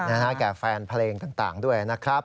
แก่แฟนเพลงต่างด้วยนะครับ